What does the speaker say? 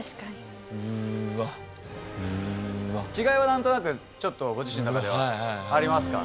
違いは何となくちょっとご自身の中ではありますか？